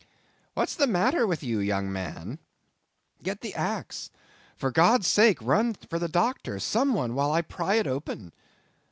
"What's the matter with you, young man?" "Get the axe! For God's sake, run for the doctor, some one, while I pry it open!"